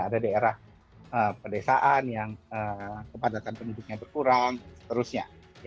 ada daerah pedesaan yang kepadatan penduduknya berkurang seterusnya